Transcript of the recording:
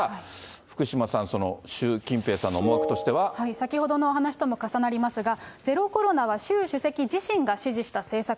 福島さん、習近平さんの思惑とし先ほどのお話とも重なりますが、ゼロコロナは習主席自身が指示した政策。